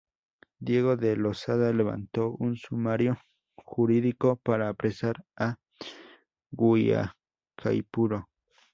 Diego de Lozada, levantó un sumario jurídico para apresar a Guaicaipuro.